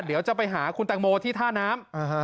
เดี๋ยวจะไปหาคุณแตงโมที่ท่าน้ำ